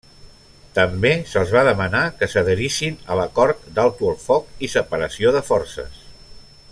També se'ls va demanar que s'adherissin a l'Acord d'Alto el Foc i Separació de Forces.